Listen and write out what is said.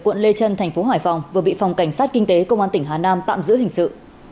quận lê trân thành phố hải phòng vừa bị phòng cảnh sát kinh tế công an tỉnh hà nam tạm giữ hình sự